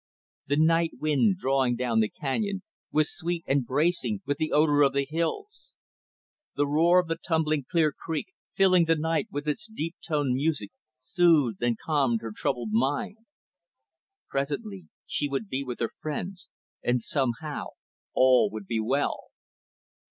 The night wind, drawing down the canyon, was sweet and bracing with the odor of the hills. The roar of the tumbling Clear Creek, filling the night with its deep toned music, soothed and calmed her troubled mind. Presently, she would be with her friends, and, somehow, all would be well.